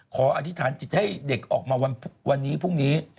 อธิษฐานจิตให้เด็กออกมาวันนี้พรุ่งนี้